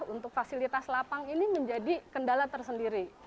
untuk fasilitas lapang ini menjadi kendala tersendiri